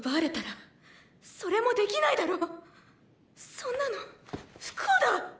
そんなの不幸だ！